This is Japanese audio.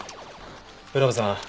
占部さん